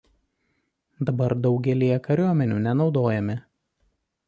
Dabar daugelyje kariuomenių nenaudojami.